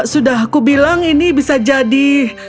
sudah aku bilang ini bisa jadi